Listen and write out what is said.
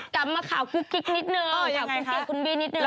กลับมาข่าวกรุ๊กนิดนึงข่าวข่าวข้าวของคุณบีนิดนึง